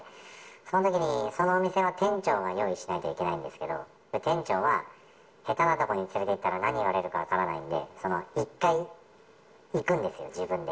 そのときに、そのお店は店長が用意しなきゃいけないんですけど、店長は、下手なところに連れてったら何言われるか分からないんで、一回行くんですよ、自分で。